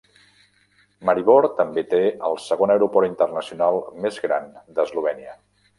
Maribor també té el segon aeroport internacional més gran d'Eslovènia.